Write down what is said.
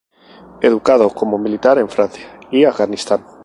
Educado como militar en Francia y Afganistán.